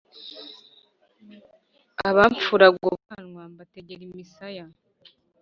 abamfuraga ubwanwa mbategera imisaya